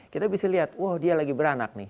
kita bisa lihat wah dia lagi beranak nih